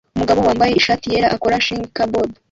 Umugabo wambaye ishati yera akora shish kabob